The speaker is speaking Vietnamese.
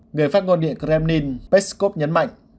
người phát ngôn địa kremlin peskov nhấn mạnh